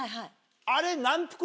あれ。